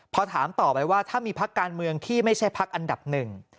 พอถามต่อไปว่าถ้ามีพักการเมืองที่ไม่ใช่พักอันดับหนึ่ง